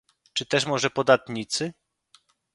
Czy też może podatnicy?